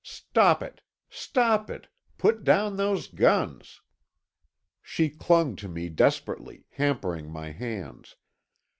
Stop it, stop it! Put down those guns!" She clung to me desperately, hampering my hands.